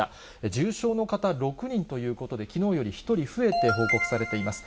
重症の方６人ということで、きのうより１人増えて報告されています。